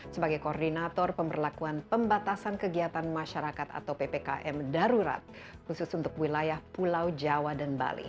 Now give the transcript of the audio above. sebagai koordinator pemberlakuan pembatasan kegiatan masyarakat atau ppkm darurat khusus untuk wilayah pulau jawa dan bali